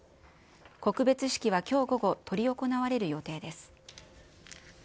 告別式はきょう午後、執り行われる予定です。